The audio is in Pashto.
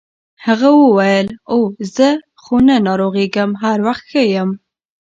هغه وویل اوه زه خو نه ناروغیږم هر وخت ښه یم.